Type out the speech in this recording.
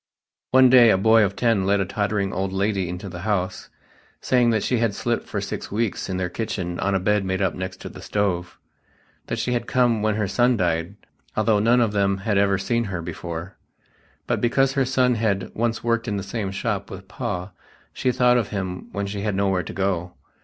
One day a boy of ten led a tottering old lady into the House, saying that she had slept for six weeks in their kitchen on a bed made up next to the stove; that she had come when her son died, although none of them had ever seen her before; but because her son had "once worked in the same shop with Pa she thought of him when she had nowhere to go."